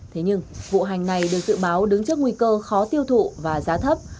thế nhưng vụ hành này được dự báo đứng trước nguy cơ khó tiêu thụ và giá thấp